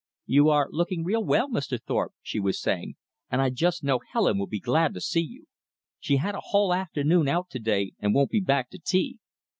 "You are lookin' real well, Mr. Thorpe," she was saying, "an' I just know Helen will be glad to see you. She had a hull afternoon out to day and won't be back to tea.